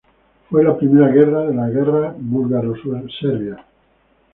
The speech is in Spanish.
Fue la primera guerra de las Guerras búlgaro-serbias.